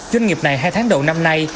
doanh nghiệp này hai tháng đầu năm nay